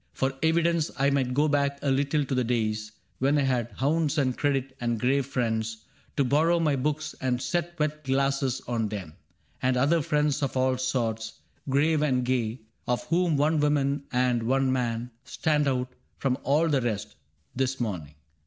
For evidence, I might go back a little to the days When I had hounds and credit, and grave friends To borrow my books and set wet glasses on them. And other friends of all sorts, grave and gay. Of whom one woman and one man stand out From all the rest, this morning.